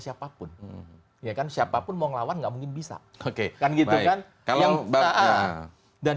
siapapun ya kan siapapun mau ngelawan nggak mungkin bisa oke kan gitu kan yang taat dan